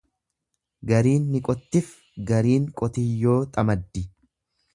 Gariin ni qottif gariin qotiyyoo xamaddi.